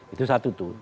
itu satu tuh